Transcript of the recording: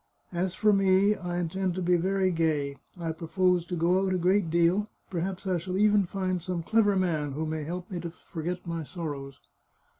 As for me, I intend to be very gay; I propose to go out a great deal; perhaps I shall even find some clever man who may help me to forget my sorrows.